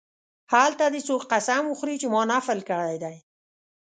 هلته دې څوک قسم وخوري چې ما نفل کړی دی.